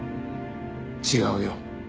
違うよ。